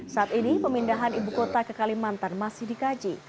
saat ini pemindahan ibu kota ke kalimantan masih dikaji